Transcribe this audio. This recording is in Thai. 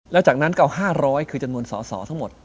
แล้วจากนั้นก็เอา๕๐๐คือจำนวนสอสอทั้งหมด